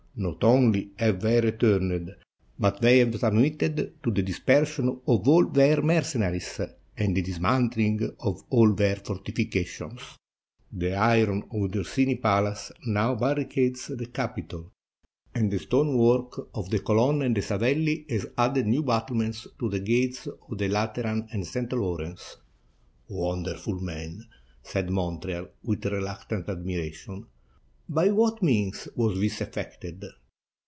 "Not only have they returned, but they have sub mitted to the dispersion of all their mercenaries and the dismantHng of all their fortifications. The iron of the Orsini Palace now barricades the Capitol, and the stone 45 ITALY work of the Colonna and the Savelli has added new battle ments to the gates of the Lateran and St. Laurence." "Wonderful man!" said Montreal, with reluctant admiration. *'By what means was this effected?"